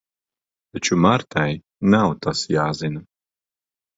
Taču Martai nav tas jāzina.